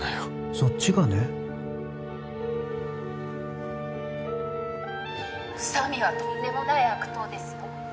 そっちがね宇佐美はとんでもない悪党ですよ